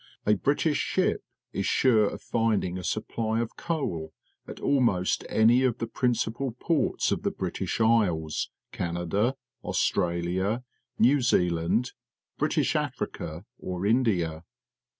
A British ship is sure of finding a supply of coal at almost any of the principal ports of the British Isles, Canada, Australia, New Zealand, Brit ish Africa, or India.